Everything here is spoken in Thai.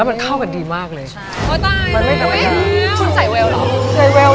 แล้วมันเข้ากันดีมากเลยใช่อ๋อตายแล้วมันไม่กลัวแล้ว